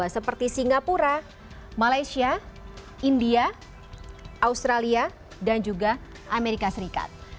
seperti singapura malaysia india australia dan juga amerika serikat